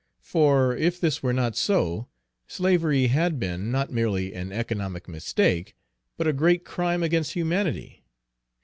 For, if this were not so, slavery had been, not merely an economic mistake, but a great crime against humanity.